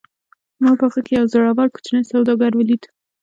ما په هغه کې یو زړور کوچنی سوداګر ولید